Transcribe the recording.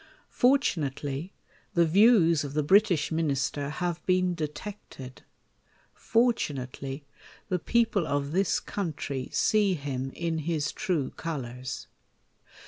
Fortunately, the views of the British Minister have been detected ; fortunately, the people of this country see him in his true colours.